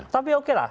tapi oke lah